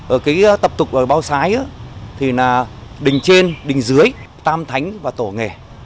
ở cái tập tục ở bao sái thì là đình trên đình dưới tam thánh và tổ nghề